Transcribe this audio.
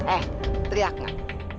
eh teriak gak